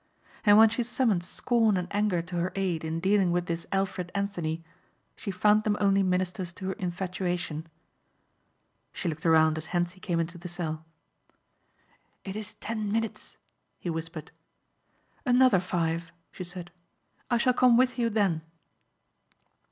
And when she summoned scorn and anger to her aid in dealing with this Alfred Anthony, she found them only ministers to her infatuation. She looked around as Hentzi came into the cell. "It is ten minutes," he whispered. "Another five," she said. "I shall come with you then."